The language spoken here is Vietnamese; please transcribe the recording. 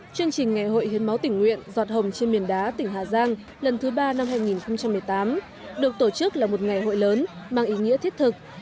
chương trình ngày hội hiến máu tỉnh nguyện giọt hồng trên miền đá tỉnh hà giang lần thứ ba năm hai nghìn một mươi tám được tổ chức là một ngày hội lớn mang ý nghĩa thiết thực